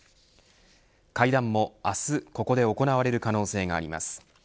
会談も明日ここで行われる可能性があります。